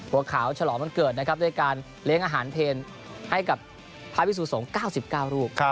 หัวขาวฉลองวันเกิดนะครับด้วยการเลี้ยงอาหารเพลให้กับพระพิสุสงฆ์๙๙รูป